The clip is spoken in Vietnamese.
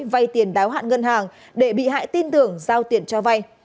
vay tiền đáo hạn ngân hàng để bị hại tin tưởng giao tiền cho vay